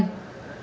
tài tòa bị cáo